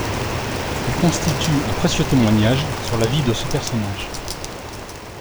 Elles constituent un précieux témoignage sur la vie de ce personnage.